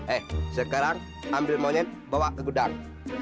eh sekarang ambil monyet bawa ke gudang